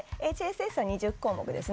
ＨＳＳは２０項目です。